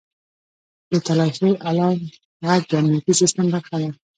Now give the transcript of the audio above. • د تالاشۍ الارم ږغ د امنیتي سیستم برخه ده.